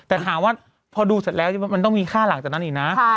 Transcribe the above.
แต่ถามว่าพอดูเสร็จแล้วมันต้องมีค่าหลังจากนั้นอีกนะ